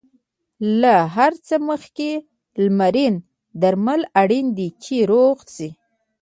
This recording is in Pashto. له هر څه مخکې لمرینه درملنه اړینه ده، چې روغ شې.